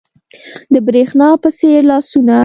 د برېښنا په څیر لاسونه